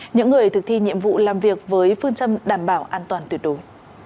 những người thực thi nhiệm vụ làm việc với phương châm đảm bảo an toàn tuyệt đối